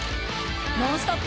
「ノンストップ！」